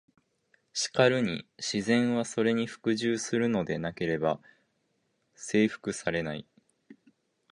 しかるに「自然は、それに服従するのでなければ征服されない」。